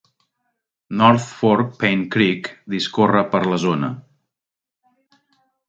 North Fork Paint Creek discorre per la zona.